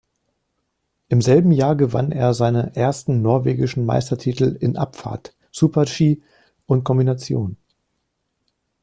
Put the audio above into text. Im selben Jahr gewann er seine ersten norwegischen Meistertitel in Abfahrt, Super-G und Kombination.